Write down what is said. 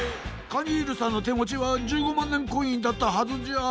カニールさんのてもちは１５まんねんコインだったはずじゃ。